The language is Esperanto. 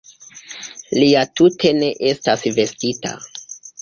Li ja tute ne estas vestita!